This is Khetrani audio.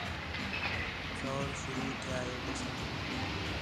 سوڑ شروع تِھیا ہِے ݙَسّݨ